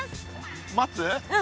待つ？